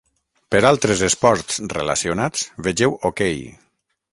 Per altres esports relacionats, vegeu hoquei.